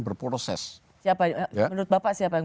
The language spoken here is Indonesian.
berproses siapa menurut bapak siapa yang